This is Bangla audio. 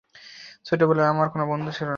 ছোটবেলায়, আমার কোন বন্ধু ছিল না।